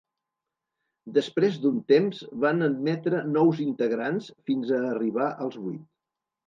Després d'un temps van admetre nous integrants fins a arribar als vuit.